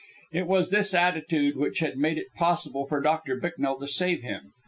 It was this attitude which had made it possible for Doctor Bicknell to save him.